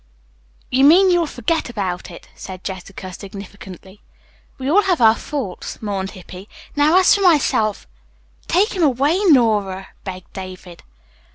"You mean you'll forget about it," said Jessica significantly. "We all have our faults," mourned Hippy. "Now, as for myself " "Take him away, Nora," begged David.